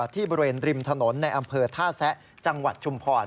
ที่บริเวณริมถนนในอำเภอท่าแซะจังหวัดชุมพร